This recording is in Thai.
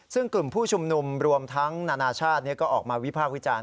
ซึ่งกลุ่มผู้ชุมนุมรวมทั้งนานาชาติก็ออกมาวิภาควิจารณ